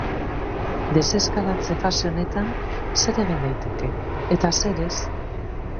Deseskalatze fase honetan zer egin daiteke eta zer ez?